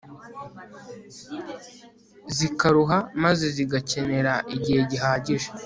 zikaruha maze zigakenera igihe gihagije